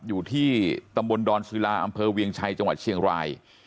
อยู่ที่ตำบลดอนศิลาอำเภอเวียงชัยจังหวัดเชียงราย